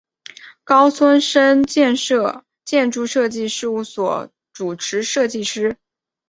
高松伸建筑设计事务所主持建筑师。